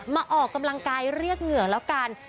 ออกกำลังกายเรียกเหงื่อแล้วกัน